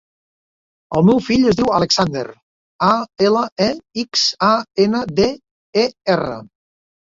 El meu fill es diu Alexander: a, ela, e, ics, a, ena, de, e, erra.